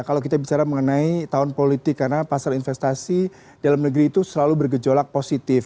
kalau kita bicara mengenai tahun politik karena pasar investasi dalam negeri itu selalu bergejolak positif